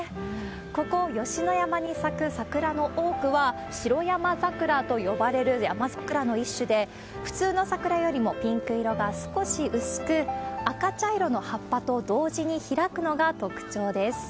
ここ、吉野山に咲く桜の多くは、白山桜と呼ばれるヤマザクラの一種で、普通の桜よりもピンク色が少し薄く、赤茶色の葉っぱと同時に開くのが特徴です。